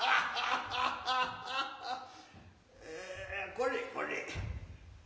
これこれ。